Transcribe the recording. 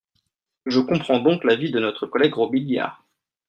Je comprends donc l’avis de notre collègue Robiliard.